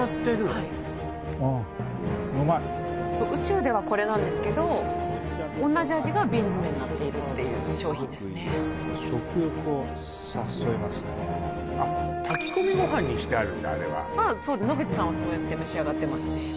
はいああうまいそう宇宙ではこれなんですけど同じ味が瓶詰になっているっていう商品ですねあっ炊き込みご飯にしてあるんだあれはそう野口さんはそうやって召し上がってますね